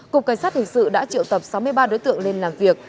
cục cảnh sát hình sự đã triệu tập sáu mươi ba đối tượng lên làm việc